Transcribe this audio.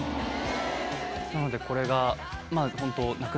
なのでこれが。